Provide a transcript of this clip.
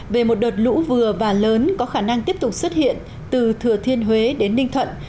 về một đợt lũ vừa và lớn có khả năng tiếp tục xuất hiện từ thừa thiên huế đến ninh thuận